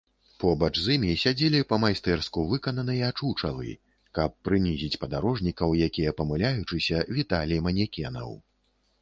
Побач з імі сядзелі па-майстэрску выкананыя чучалы, каб прынізіць падарожнікаў, якія памыляючыся віталі манекенаў.